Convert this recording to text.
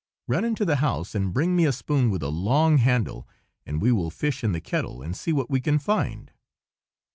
Run into the house and bring me a spoon with a long handle, and we will fish in the kettle, and see what we can find."